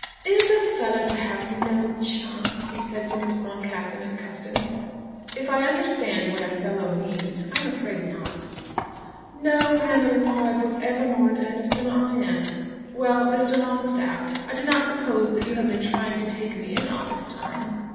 "Is a fellow to have no chance?" he said to Miss Boncassen at Custins. "If I understand what a fellow means, I am afraid not." "No man alive was ever more in earnest than I am." "Well, Mr. Longstaff, I do not suppose that you have been trying to take me in all this time."